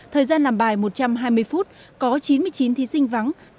thời gian làm bài một trăm hai mươi phút có chín mươi chín thí sinh vắng